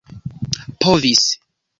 povis